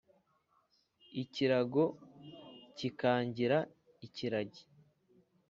Ikirago kikangira ikiragi